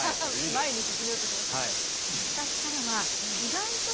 前に進めようとしましたね。